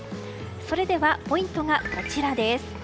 それでは、ポイントがこちらです。